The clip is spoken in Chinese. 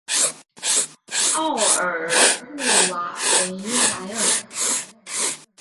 奥尔穆瓦维莱尔。